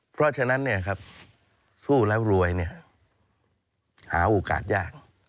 เพราะฉะนั้นสู้แล้วรวยหาโอกาสยาก